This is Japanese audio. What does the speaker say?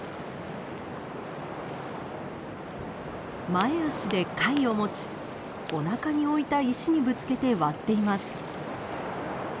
前足で貝を持ちおなかに置いた石にぶつけて割っています。